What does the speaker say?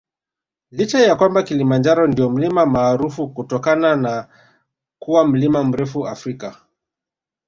Licha ya kwamba Kilimanjaro ndio mlima maarufu kutokana na kuwa mlima mrefu Afrika